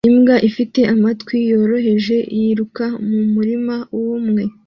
Imbwa ifite amatwi yoroheje yiruka mu murima wumye